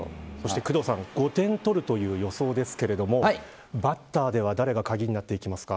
そして工藤さん、５点取るという予想ですがバッターでは誰が鍵になっていきますか。